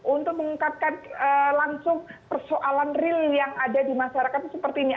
untuk mengungkapkan langsung persoalan real yang ada di masyarakat seperti ini